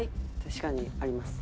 確かにあります。